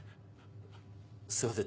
すいません